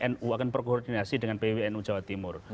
nu akan berkoordinasi dengan pwnu jawa timur